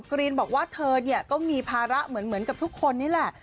กรีนบอกว่าเธอเนี่ยก็มีภาระเหมือนกับทุกคนนี่แหละ